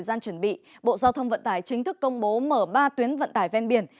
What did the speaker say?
giao thông vận tải chính thức công bố mở ba tuyến vận tải ven biển